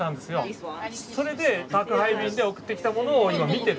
それで宅配便で送ってきたものを今見てる。